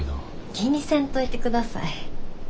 気にせんといてください。